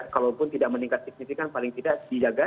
kalaupun tidak meningkat signifikan paling tidak dijaga